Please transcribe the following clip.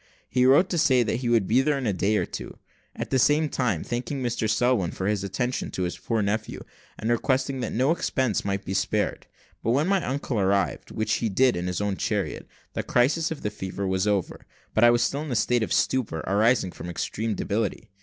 He wrote to say that he would be there in a day or two; at the same time thanking Mr Selwin for his kind attention to his poor nephew, and requesting that no expense might be spared. When my uncle arrived, which he did in his own chariot, the crisis of the fever was over; but I was still in a state of stupor arising from extreme debility.